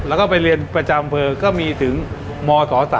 แล้วก็ไปเรียนประจำอำเภอก็มีถึงมศ๓